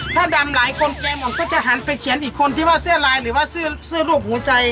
ถ้าดำหลายคนแกหมดก็จะหันไปเขียนอีกคนที่ว่าเสื้อลายหรือว่าเสื้อรูปหัวใจ